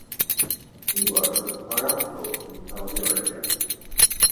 He works at Aramco in Saudi Arabia.